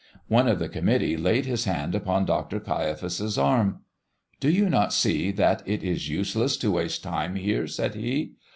One of the committee laid his hand upon Dr. Caiaphas's arm. "Do you not see that it is useless to waste time here?" said he.